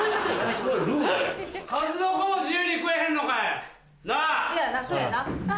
数の子も自由に食えへんのかい！なぁ？